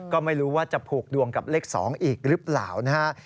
ก็ไม่รู้ว่าจะผูกดวงกับเลข๒อีกหรือเปล่านะฮะ